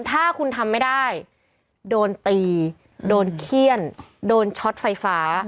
ถ้าคุณทำไม่ได้โดนตีโดนเขี้ยนโดนช็อตไฟฟ้า